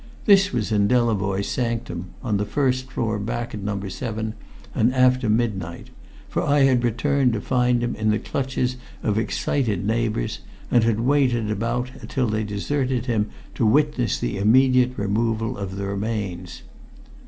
This was in Delavoye's sanctum, on the first floor back at No. 7, and after midnight; for I had returned to find him in the clutches of excited neighbours, and had waited about till they all deserted him to witness the immediate removal of the remains.